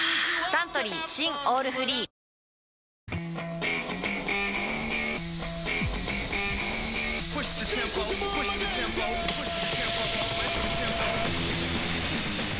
サントリー新「オールフリー」プシューッ！